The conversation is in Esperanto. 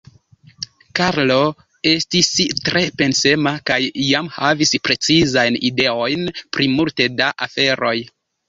Karlo estis tre pensema kaj jam havis precizajn ideojn pri multe da aferoj.